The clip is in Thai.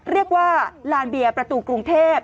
เรียกว่าลานเบียนประตูกรุงเทพ